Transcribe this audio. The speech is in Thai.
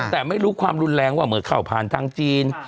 แต่ไม่รู้ความรุนแรงว่าเหมือนเขาผ่านทางจีน